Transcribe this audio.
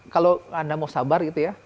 kalau anda mau sabar gitu ya